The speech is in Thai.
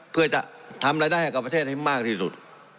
เพื่อจะทำรายได้ให้กับประเทศให้มากที่สุด